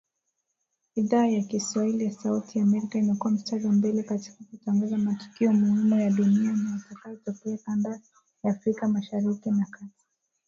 Idhaa ya kiswahili ya Sauti ya Amerika imekua mstari wa mbele katika kutangaza matukio muhimu ya dunia na yanayotokea kanda ya Afrika Mashariki na Kati.